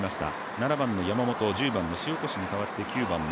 ７番の山本、１０番の塩越に変わって入っています。